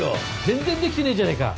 全然できてねえじゃねえか！